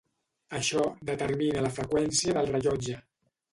Això determina la freqüència de rellotge.